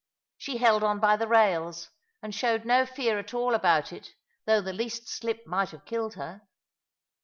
She held on by the rails, and showed no fear at all about it, though the least slip might have killed her.